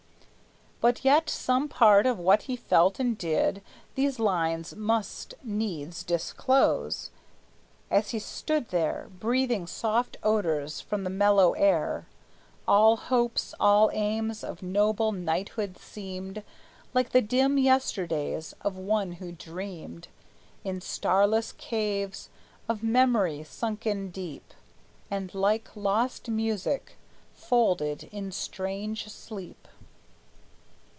But yet some part of what he felt and did These lines must needs disclose. As he stood there, Breathing soft odors from the mellow air, All hopes, all aims of noble knighthood seemed Like the dim yesterdays of one who dreamed, In starless caves of memory sunken deep, And, like lost music, folded in strange sleep.